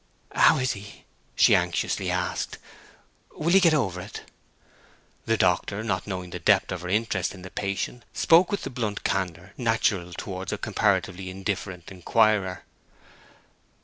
'How is he?' she anxiously asked. 'Will he get over it?' The doctor, not knowing the depth of her interest in the patient, spoke with the blunt candour natural towards a comparatively indifferent inquirer.